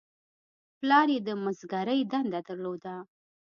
پلار یې د مسګرۍ دنده درلوده.